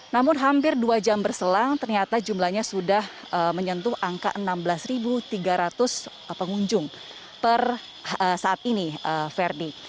namun hampir dua jam berselang ternyata jumlahnya sudah menyentuh angka enam belas tiga ratus pengunjung per saat ini ferdi